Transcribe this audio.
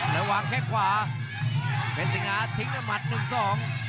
แล้ววางแค่ขวาเพชรสิงหาทิ้งหน้าหมัดหนึ่งสอง